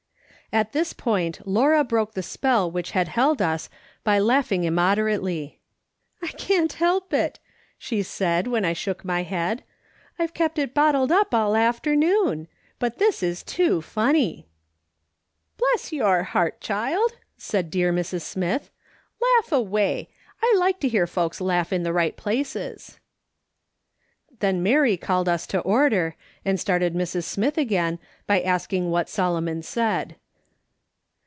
" At this point Laura broke the spell which had held us by laughing immoderately. " I can't help it," she said, when I shook my head, " I've kept it bottled up all the afternoon ; but this is too funny." " Bless your heart, child !" said dear Mrs. Smith ;" laugh away ; I like to hear folks laugh in the right places." Then ]\Iary called us to order, and started Mrs. Smith again, by asking what Solomon said.